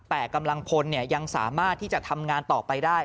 แต่กำลังพลยังสามารถที่จะทำงานต่อไปได้